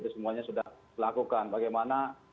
semuanya sudah dilakukan bagaimana